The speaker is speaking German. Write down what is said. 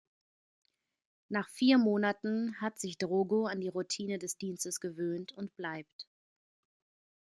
Nach vier Monaten hat sich Drogo an die Routine des Dienstes gewöhnt und bleibt.